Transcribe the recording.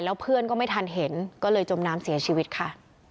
แล้วเพื่อนก็ไม่ทันเห็นก็เลยจมน้ำเสียชีวิตค่ะ